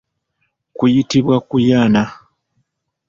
Kuyitibwa kuyana.